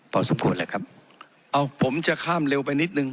พอสมควรแหละครับเอาผมจะข้ามเร็วไปนิดนึง